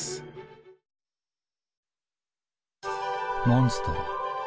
モンストロ。